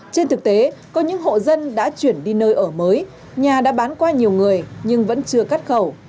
trên thực tế có những hộ dân đã chuyển đi nơi ở mới nhà đã bán qua nhiều người nhưng vẫn chưa cắt khẩu